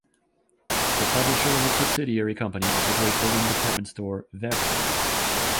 The publisher was a subsidiary company of the great Berlin department store, Wertheim's.